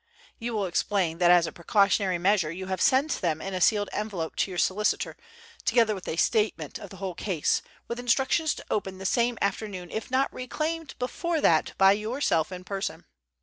You will explain that as a precautionary measure you have sent them in a sealed envelope to your solicitor, together with a statement of the whole case, with instructions to open the same that afternoon if not reclaimed before that by yourself in person.